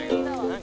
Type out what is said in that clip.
何？